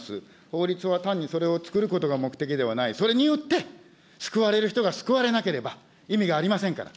法律は単にそれを作ることが目的ではない、それによって、救われる人が救われなければ意味がありませんから。